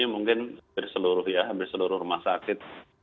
mungkin di seluruh rumah sakit